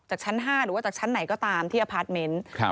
ชั้น๕หรือว่าจากชั้นไหนก็ตามที่อพาร์ทเมนต์